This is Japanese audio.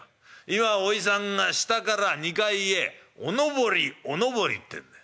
今おじさんが下から２階へおのぼりおのぼりってんで。